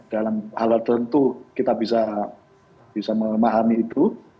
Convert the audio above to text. dalam hal tentu kita bisa memahami itu